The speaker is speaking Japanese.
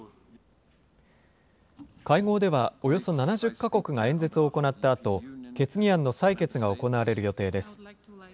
会合ではおよそ７０か国が演説を行ったあと、決議案の採決が行われる予定です。